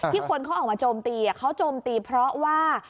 คนเขาออกมาโจมตีเขาโจมตีเพราะว่า